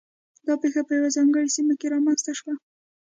دا پېښه په یوه ځانګړې سیمه کې رامنځته شوه